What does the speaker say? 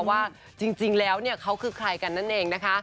ว่าจริงแล้วเขาคือใครกันนั่นเองนะคะ